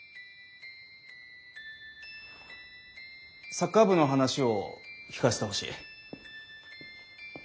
サッカー部の話を聞かせてほしい。